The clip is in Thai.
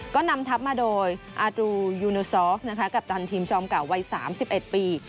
ก็นำทับมาโดยอาร์ดูยูโนซอฟต์นะคะกัปตันทีมชอบเก่าวัยสามสิบเอ็ดปี